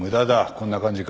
こんな感じか？